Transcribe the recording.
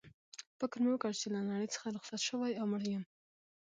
فکر مې وکړ چي له نړۍ څخه رخصت شوی او مړ یم.